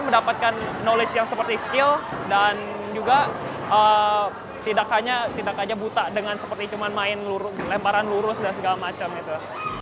mendapatkan knowledge yang seperti skill dan juga tidak hanya buta dengan seperti cuma main lemparan lurus dan segala macam itu